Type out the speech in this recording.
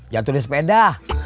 ya tuh di sepeda